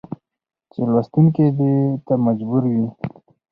چې لوستونکى دې ته مجبور وي